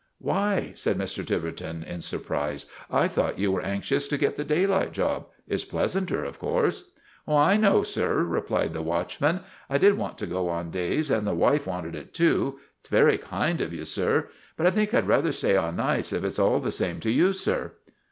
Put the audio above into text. " Why," said Mr. Tiverton, in surprise, " I thought you were anxious to get the daylight job. It 's pleasanter, of course." " I know, sir," replied the watchman. " I did want to go on days, and the wife wanted it, too. It 's very kind of you, sir, but I think I 'd rather stay on nights, if it 's all the same to you, sir."